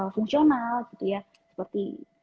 fungsional gitu ya seperti